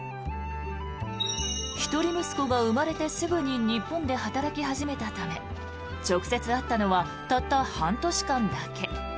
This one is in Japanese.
一人息子が生まれてすぐに日本で働き始めたため直接会ったのはたった半年間だけ。